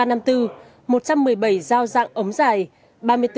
một trăm một mươi bảy dao dạng ống dài